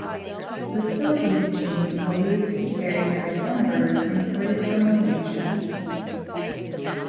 The silkied gene was believed to be carried by some birds imported from Malaysia.